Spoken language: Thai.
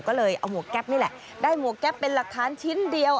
ก็เลยเอาหมวกแก๊ปนี่แหละได้หมวกแก๊ปเป็นหลักฐานชิ้นเดียว